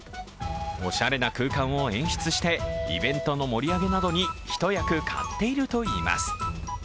おしゃれな空間を演出して、イベントの盛り上げなどに一役買っているといいます。